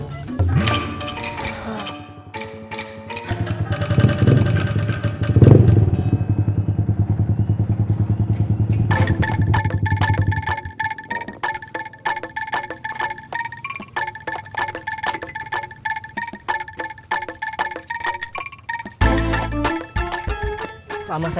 sama saya aja ceh